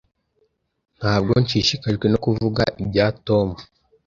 Ntabwo nshishikajwe no kuvuga ibya Tom.